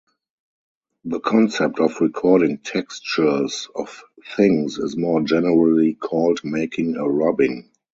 The concept of recording textures of things is more generally called making a rubbing.